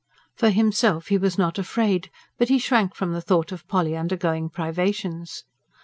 For himself he was not afraid; but he shrank from the thought of Polly undergoing privations.